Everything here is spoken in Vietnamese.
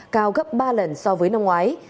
cao gấp ba lần so với năm ngoái